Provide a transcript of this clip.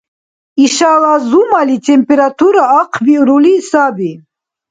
Ишала зумали температура ахъбирули саби